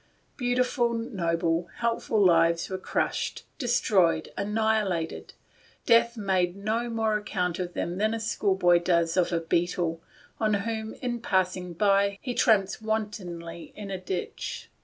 Beautiful noble, helpful lives were crushed, destroyed, annihilated. Death made no more account of them than a school boy does of a beetle, on whom, in passing by, he tramples wantonly in a ditch.